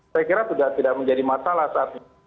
saya kira sudah tidak menjadi masalah saat ini